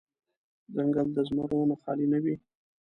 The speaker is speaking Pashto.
ځنګل د زمرو نه خالې نه وي.